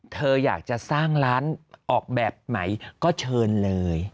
เธออยากจะสร้างร้านออกแบบไหนก็เชิญเลย